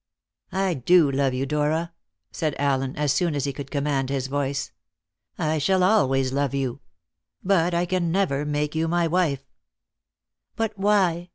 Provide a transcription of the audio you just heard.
"I do love you, Dora," said Allen, as soon as he could command his voice; "I shall always love you; but I can never make you my wife." "But why?